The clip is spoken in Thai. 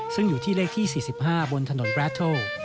ซึ่งอยู่ที่เลขที่๔๕บนถนนบราโท